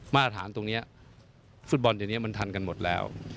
มาตรฐานตรงนี้ฟุตบอลเดี๋ยวนี้มันทันกันหมดแล้ว